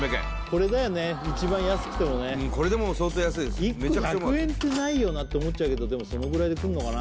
これだよね一番安くてもねこれでも相当安いです１個１００円ってないよなって思っちゃうけどでもそのぐらいでくんのかな